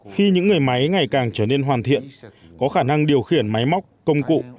khi những người máy ngày càng trở nên hoàn thiện có khả năng điều khiển máy móc công cụ